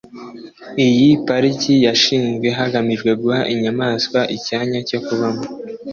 Iyi pariki yashinzwe hagamijwe guha inyamaswa icyanya cyo kubamo